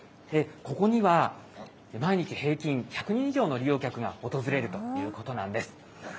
ここには、毎日平均１００人以上の利用客が訪れるということなんです。